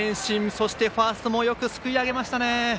そしてファーストもよくすくい上げた。